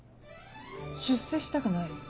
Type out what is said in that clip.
出世したくない？